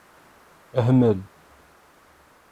Hmel.